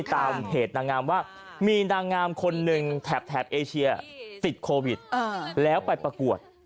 ตามเพจนางงามว่ามีนางงามคนหนึ่งแถบเอเชียติดโควิดแล้วไปประกวด